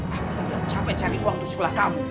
aku gak capek cari uang untuk sekolah kamu